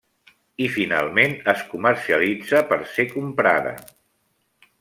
I finalment es comercialitza per ser comprada.